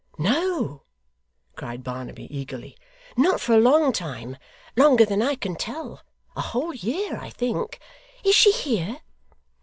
'No,' cried Barnaby, eagerly. 'Not for a long time longer than I can tell. A whole year, I think. Is she here?